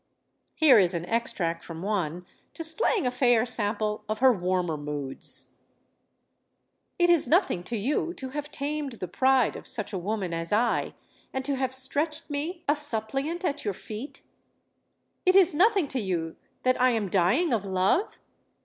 Here is an extract from one, displaying a fair sample of her warmer moods: It is nothing to you to have tamed the pride of such a woman as I, and to have stretched me a suppliant at your feet? 164 STORIES OF THE SUPER WOMEN It is nothing to you that I am dying of love?